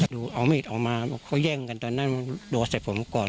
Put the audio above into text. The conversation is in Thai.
ดูเอามีดออกมาเขาแย่งกันตอนนั้นโดดใส่ผมก่อน